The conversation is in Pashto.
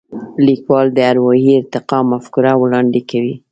لیکوال د اروايي ارتقا مفکوره وړاندې کوي.